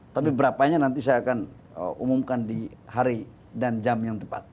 tapi berapanya nanti saya akan umumkan di hari dan jam yang tepat